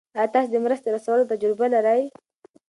آیا تاسو د مرستې رسولو تجربه لرئ؟